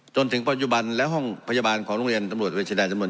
จนถึงปัจจุบันและห้องพยาบาลของโรงเรียนตำรวจเวชดาจำนวน